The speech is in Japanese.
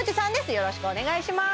よろしくお願いします